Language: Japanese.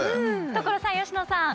所さん佳乃さん。